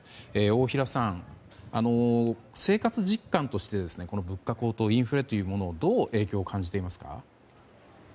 大平さん、生活実感として物価高騰、インフレというもののどう影響を感じていますか。